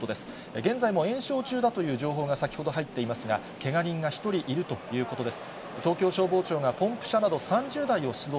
現在も延焼中だという情報が先ほど入っていますが、けが人が１人いるということです。